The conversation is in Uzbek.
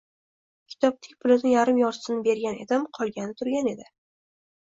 Kitobning pulini yarim-yortisini bergan edim, qolgani turgan edi.